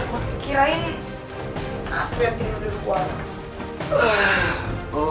kirain astri yang tidur di ruang tamu